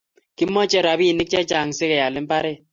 Kimache rapinik che chang si keyal imbaret